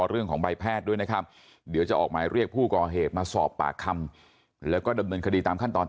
คือไม่น่ากระทำเลยประมาณนี้